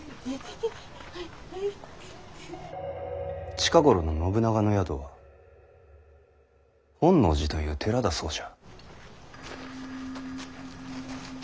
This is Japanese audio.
近頃の信長の宿は本能寺という寺だそうじゃ。